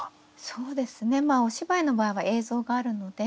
そうですねまあお芝居の場合は映像があるので。